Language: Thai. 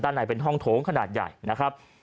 ในเป็นห้องโถงขนาดใหญ่นะครับ